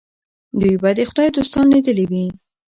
دوی به د خدای دوستان لیدلي وي.